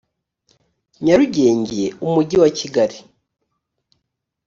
nyarugenge umujyi wa kigali